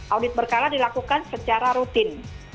audit berkala dilakukan secara rutin